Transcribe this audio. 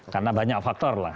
karena banyak faktor lah